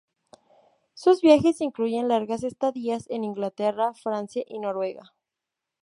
Sus viajes incluyen largas estadías en Inglaterra, Francia y Noruega.